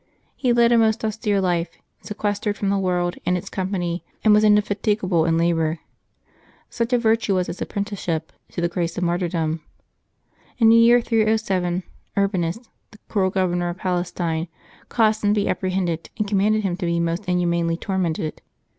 He led a most austere life, sequestered from the world and its company, and was indefatigable in labor. Such a virtue was his apprenticeship to the grace of martyrdom. In the year 307, IJrbanus, the cruel governor of Palestine, caused him to be apprehended, and commanded him to be most inhumanly tormented.